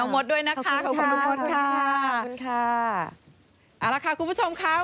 หละค่ะคุณผู้ชมค่ะ